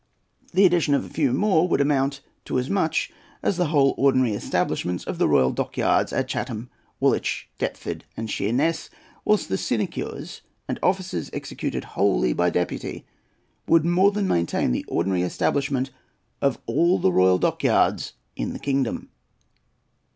The addition of a few more would amount to as much as the whole ordinary establishments of the royal dockyards at Chatham, Woolwich, Deptford, and Sheerness; whilst the sinecures and offices executed wholly by deputy would more than maintain the ordinary establishment of all the royal dockyards in the kingdom.